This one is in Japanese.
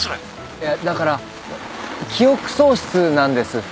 いやだから記憶喪失なんです。